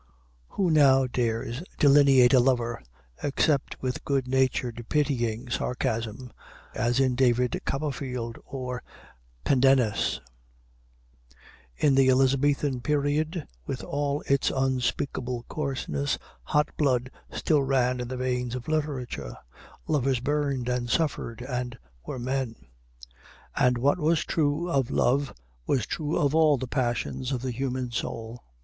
Who now dares delineate a lover, except with good natured pitying sarcasm, as in David Copperfield or Pendennis? In the Elizabethan period, with all its unspeakable coarseness, hot blood still ran in the veins of literature; lovers burned and suffered and were men. And what was true of love was true of all the passions of the human soul.